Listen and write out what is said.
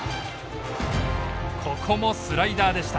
ここもスライダーでした。